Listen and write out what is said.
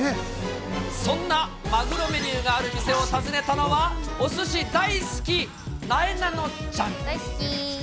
そんなマグロメニューがある店を訪ねたのは、おすし大好き、なえなのちゃん。